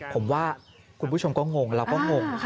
ผมว่าคุณผู้ชมก็งงแล้วก็งง